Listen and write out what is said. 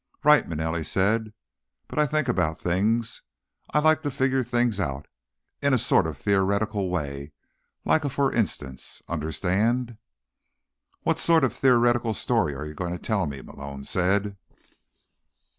"Right," Manelli said. "But I think about things. I like to figure things out. In a sort of a theoretical way, like a for instance. Understand?" "What sort of theoretical story are you going to tell me?" Malone said.